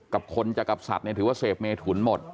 กับคนจากับสัตว์ถือว่าเสพเมทุนหมด